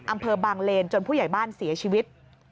อำเภอบางเลนจนผู้ใหญ่บ้านเสียชีวิต